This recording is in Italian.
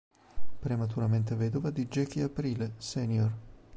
Prematuramente vedova di Jackie Aprile, Sr.